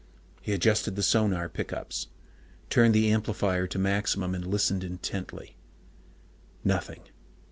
He adjusted the sonar pickups, turned the amplifier to maximum, and listened intently. Nothing.